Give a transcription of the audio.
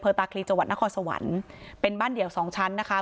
ตาคลีจังหวัดนครสวรรค์เป็นบ้านเดี่ยวสองชั้นนะคะ